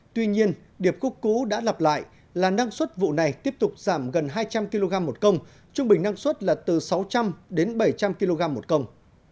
tuy nhiên điệp khúc cũ đã lặp lại là năng suất vụ này tiếp tục giảm gần hai trăm linh kg một công trung bình năng suất là từ sáu trăm linh đến bảy trăm linh kg một công